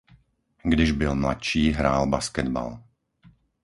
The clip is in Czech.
Když byl mladší hrál basketbal.